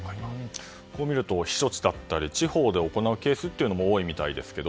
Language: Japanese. こう見ると、避暑地だったり地方で行うケースが多いみたいですが。